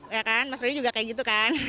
ya kan mas roy juga kayak gitu kan